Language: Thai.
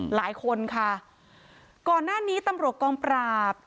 หลายคนค่ะก่อนหน้านี้ตำรวจกองปราบ